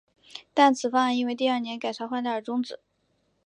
但此方案因为第二年改朝换代而中止。